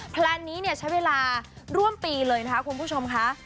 แพลนนี้เนี่ยใช้เวลาร่วมปีเลยนะคะคุณผู้ชมค่ะ